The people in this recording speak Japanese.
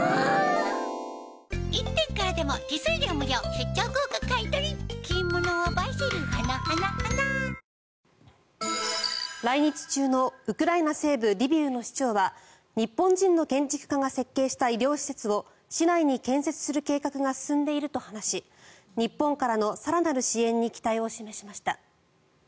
血圧１３０超えたらサントリー「胡麻麦茶」来日中のウクライナ西部リビウの市長は日本人の建築家が設計した医療施設を市内に建設する計画が進んでいると話し日本からの更なる支援に期待を示しました。